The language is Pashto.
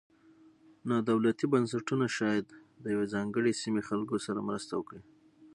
نا دولتي بنسټونه شاید د یوې ځانګړې سیمې خلکو سره مرسته وکړي.